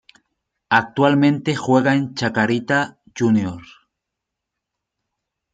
Actualmente juega en Chacarita Juniors.